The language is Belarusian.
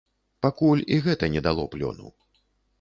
Пакуль і гэта не дало плёну.